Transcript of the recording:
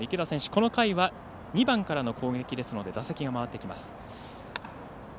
この回は２番からの攻撃ですので打席が回ってきます。